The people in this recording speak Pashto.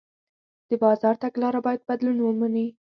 د بازار تګلاره باید بدلون ومني.